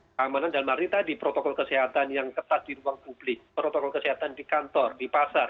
keamanan dalam arti tadi protokol kesehatan yang ketat di ruang publik protokol kesehatan di kantor di pasar